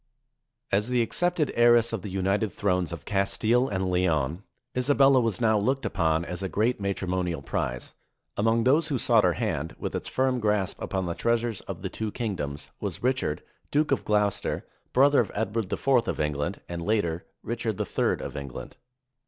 As the accepted heiress of the united thrones of Castile and Leon, Isabella was now looked upon as a great matrimonial prize. Among those who sought her hand, with its firm grasp upon the treasures of the two kingdoms, was Richard, Duke of Gloucester, brother of Edward IV of England, and later Richard III of England.